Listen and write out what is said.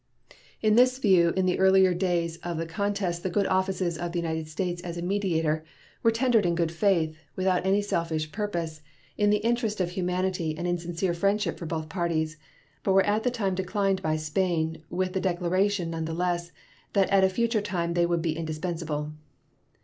In this view in the earlier days of the contest the good offices of the United States as a mediator were tendered in good faith, without any selfish purpose, in the interest of humanity and in sincere friendship for both parties, but were at the time declined by Spain, with the declaration, nevertheless, that at a future time they would be indispensable.